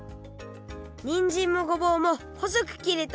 にんじんもごぼうもほそくきれた！